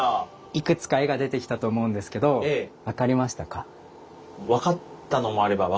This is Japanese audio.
いくつか絵が出てきたと思うんですけどハンバーガー！